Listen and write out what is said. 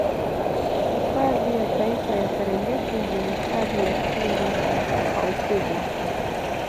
Hifadhi ya Taifa ya Serengeti ndio hifadhi ya pili kwa ukubwa